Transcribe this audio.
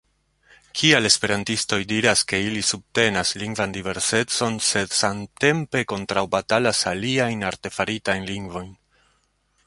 Kial esperantistoj diras, ke ili subtenas lingvan diversecon, sed samtempe kontraŭbatalas aliajn artefaritajn lingvojn?